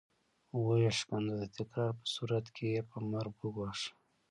ويې ښکنځه د تکرار په صورت کې يې په مرګ وګواښه.